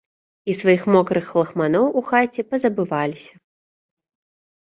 І сваіх мокрых лахманоў у хаце пазабываліся.